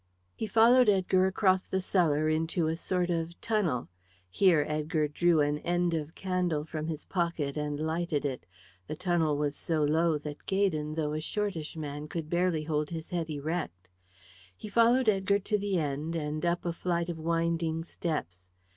He followed Edgar across the cellar into a sort of tunnel. Here Edgar drew an end of candle from his pocket and lighted it. The tunnel was so low that Gaydon, though a shortish man, could barely hold his head erect. He followed Edgar to the end and up a flight of winding steps.